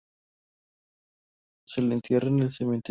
Se le entierra en el cementerio de la ciudad con solemnidad.